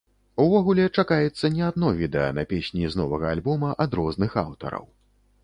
Увогуле, чакаецца не адно відэа на песні з новага альбома ад розных аўтараў.